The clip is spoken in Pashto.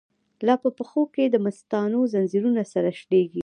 لاپه پښو کی دمستانو، ځنځیرونه سره شلیږی